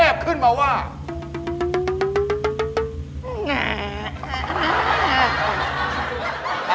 เอาออกมาเอาออกมาเอาออกมา